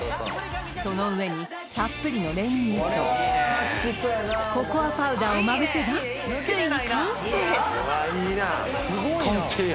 その上にたっぷりの練乳とココアパウダーをまぶせばついに完成完成や！